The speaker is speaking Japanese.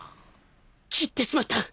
斬ってしまった！